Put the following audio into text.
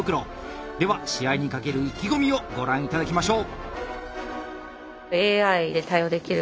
では試合に懸ける意気込みをご覧頂きましょう。